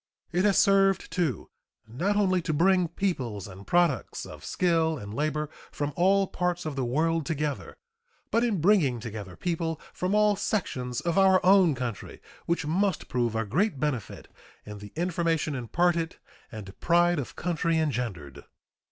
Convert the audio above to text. It has served, too, not only to bring peoples and products of skill and labor from all parts of the world together, but in bringing together people from all sections of our own country, which must prove a great benefit in the information imparted and pride of country engendered.